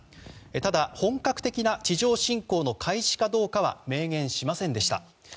ただ、本格的な地上侵攻の開始かどうかは明言しませんでした。